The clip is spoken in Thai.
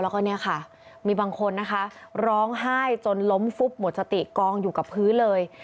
และ๑๙๒๐นมีบางคนร้องไห้จนล้มพุบหมดสติกองอยู่กับพื้นเลย